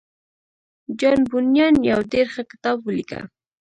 جان بونيان يو ډېر ښه کتاب وليکه.